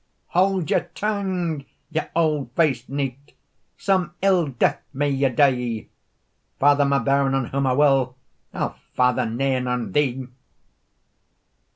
"Haud your tongue, ye auld fac'd knight, Some ill death may ye die! Father my bairn on whom I will, I'll father nane on thee."